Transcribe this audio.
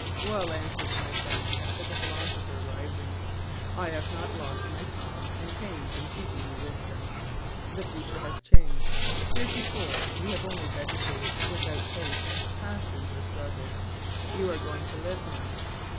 " Well answered, my son," said the philosopher, rising. " I have not lost my time and pains in teaching you wisdom. The future has changed. Heretofore you have only vegetated, without tastes, passions, or struggles. You are going to live now.